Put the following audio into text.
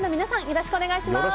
よろしくお願いします。